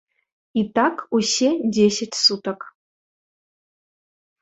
І так усе дзесяць сутак.